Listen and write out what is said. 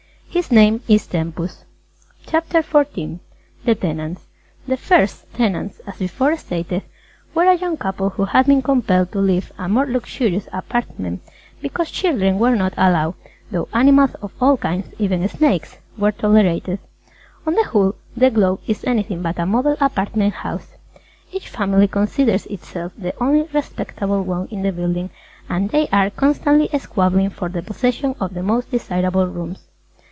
His name is Tempus. CHAPTER XIV THE TENANTS The first tenants (as before stated) were a young couple who had been compelled to leave a more luxurious apartment because children were not allowed, though animals of all kinds, even snakes, were tolerated. [Illustration: POST IMPRESSIONIST SAVAGE] On the whole, the Globe is anything but a model Apartment House. Each family considers itself the only respectable one in the building and they are constantly squabbling for the possession of the most desirable rooms.